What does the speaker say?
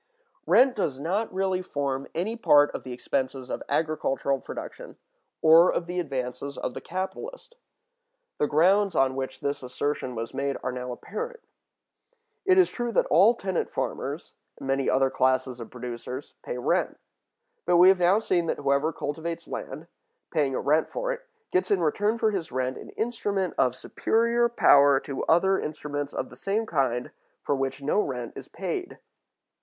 Rent does not really form any part of the expenses of [agricultural] production, or of the advances of the capitalist. The grounds on which this assertion was made are now apparent. It is true that all tenant farmers, and many other classes of producers, pay rent. But we have now seen that whoever cultivates land, paying a rent for it, gets in return for his rent an instrument of superior power to other instruments of the same kind for which no rent is paid.